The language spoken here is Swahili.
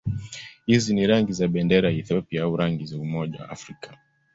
Hizi ni rangi za bendera ya Ethiopia au rangi za Umoja wa Afrika.